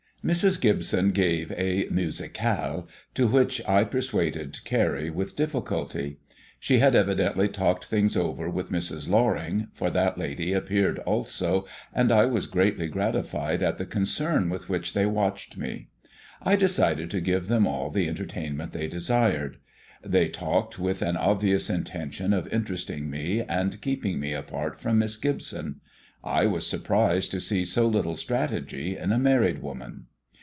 Mrs. Gibson gave a musicale, to which I persuaded Carrie with difficulty. She had evidently talked things over with Mrs. Loring, for that lady appeared also, and I was greatly gratified at the concern with which they watched me. I decided to give them all the entertainment they desired. They talked with an obvious intention of interesting me and keeping me apart from Miss Gibson. I was surprised to see so little strategy in a married woman.